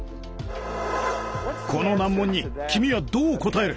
この難問に君はどう答える。